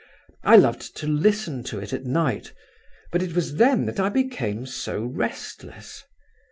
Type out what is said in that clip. I loved to listen to it at night, but it was then that I became so restless.